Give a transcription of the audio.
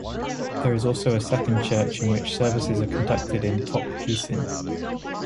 There is also a second church in which services are conducted in Tok Pisin.